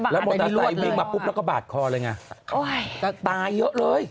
แล้วมอเตอร์ไซค์วิ่งมาปุ๊บแล้วก็บาดคอเลยไงตายเยอะเลย